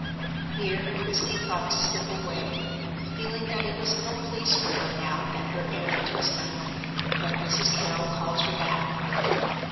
Here Christie thought to slip away, feeling that it was no place for her now that her errand was done. But Mrs. Carrol called her back.